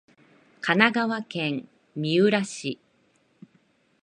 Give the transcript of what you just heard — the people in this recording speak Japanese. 神奈川県三浦市